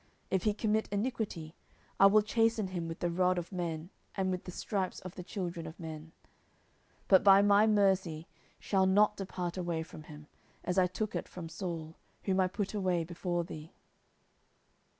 If he commit iniquity, I will chasten him with the rod of men, and with the stripes of the children of men: 10:007:015 But my mercy shall not depart away from him, as I took it from Saul, whom I put away before thee.